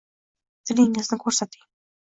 Tilingizni ko’rsating.